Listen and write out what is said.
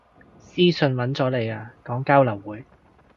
私訊搵咗你啊，講交流會